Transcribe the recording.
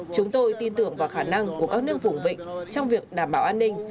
chúng tôi tin tưởng vào khả năng của các nước vùng vịnh trong việc đảm bảo an ninh